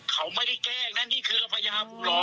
นั่นมันไม่ใช่น้ำมนต์คนที่ป่วยเป็นโรคร้ายนะ